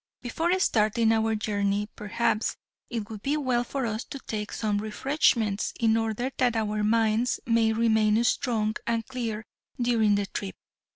Before starting on our journey perhaps it would be well for us to take some refreshments in order that our minds may remain strong and clear during the trip.